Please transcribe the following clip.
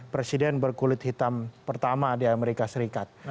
presiden berkulit hitam pertama di amerika serikat